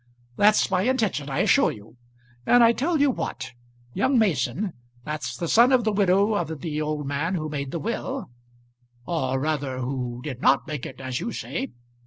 "That's my intention, I assure you. And I tell you what; young Mason, that's the son of the widow of the old man who made the will " "Or rather who did not make it, as you say."